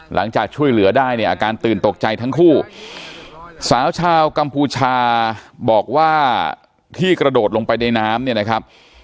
หลังจากช่วยเหลือได้เนี่ยอาการตื่นตกใจทั้งคู่สาวชาวกัมพูชาบอกว่าที่กระโดดลงไปในน้ำเนี่ยนะครับ